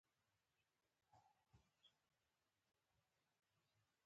غالۍ د دودونو برخه ده.